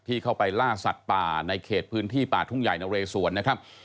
เข้าไปล่าสัตว์ป่าในเขตพื้นที่ป่าทุ่งใหญ่นเรสวนนะครับ